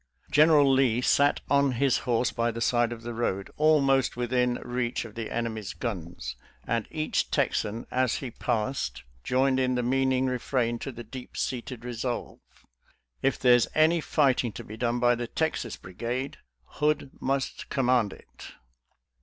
General Lee sat on his horse by the side of the road, almost within 84 SOLDIER'S LETTERS TO CHARMING NELLIE reach of the enemy's guns, and each Texan as he passed joined in the meaning refrain to the deep seated resolve, " If there's any fighting to be done by the Texas Brigade, Hood must com mand it."